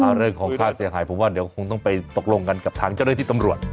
เรื่องของค่าเสียหายผมว่าเดี๋ยวคงต้องไปตกลงกันกับทางเจ้าหน้าที่ตำรวจ